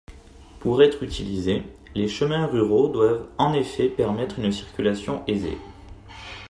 Pour être utilisés, les chemins ruraux doivent en effet permettre une circulation aisée.